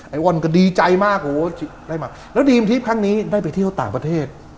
วอนก็ดีใจมากโอ้โหได้มาแล้วทีมทริปครั้งนี้ได้ไปเที่ยวต่างประเทศ